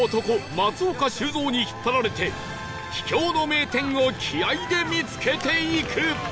松岡修造に引っ張られて秘境の名店を気合で見つけていく！